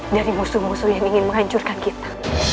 dari musuh musuh yang ingin menghancurkan kita